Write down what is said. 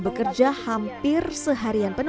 dan bekerja hampir seharian penuh